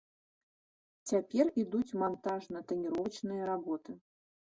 Цяпер ідуць мантажна-таніровачныя работы.